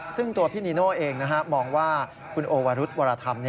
ซึ่งตัวพี่นีโน่เองมองว่าคุณโอวรุธวรธรรม